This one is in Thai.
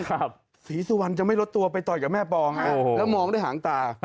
ศรีสุวรรณจะไม่ลดตัวไปต่อยกับแม่ปองฮะแล้วมองด้วยหางตา